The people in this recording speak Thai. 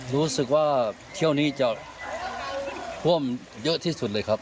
รู้สึกว่าเที่ยวนี้จะท่วมเยอะที่สุดเลยครับ